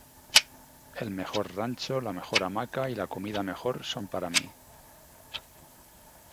El mejor rancho, la mejor hamaca y la comida mejor son para mí.